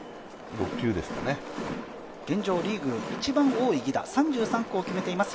現状、リーグ、一番多い犠打３３個を決めています